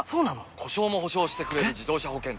故障も補償してくれる自動車保険といえば？